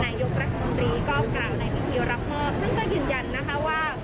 นายกรัฐมนตรีก็กล่าวในพิธีรับมอบซึ่งก็ยืนยันนะคะว่า